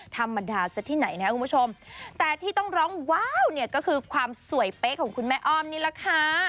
ธรรมดาซะที่ไหนนะครับคุณผู้ชมแต่ที่ต้องร้องว้าวเนี่ยก็คือความสวยเป๊ะของคุณแม่อ้อมนี่แหละค่ะ